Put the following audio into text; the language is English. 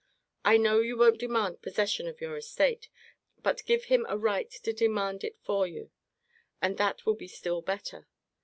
I know you won't demand possession of your estate. But give him a right to demand it for you; and that will be still better.